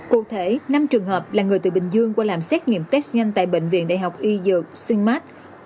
cụ thể năm trường hợp là người từ bình dương qua làm xét nghiệm test nhanh tại bệnh viện đại học y dược synmart